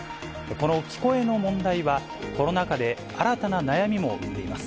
この聞こえの問題はコロナ禍で新たな悩みも生んでいます。